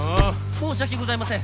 申し訳ございません